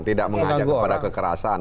tidak mengajak kepada kekerasan